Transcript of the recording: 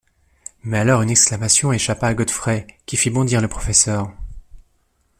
Mais alors une exclamation échappa à Godfrey, qui fit bondir le professeur.